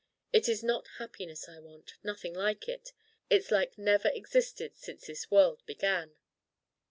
It is not happiness I want nothing like it: its like never existed since this world began.